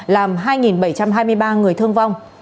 làm hai bảy trăm hai mươi ba người thương vong